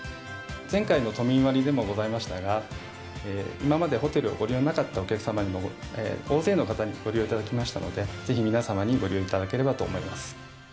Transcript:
前回の都民割でもございましたが、今までホテルをご利用なかったお客様にも大勢の方にご利用いただきましたので、ぜひ皆様にご利用いただければと思います。